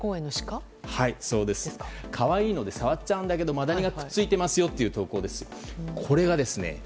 可愛いので触っちゃうんですがマダニがくっついていますよという投稿です。